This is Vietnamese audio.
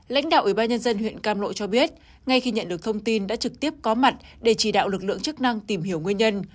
lãnh đạo ủy ban nhân dân huyện cam lộ cho biết ngay khi nhận được thông tin đã trực tiếp có mặt để chỉ đạo lực lượng chức năng tìm hiểu nguyên nhân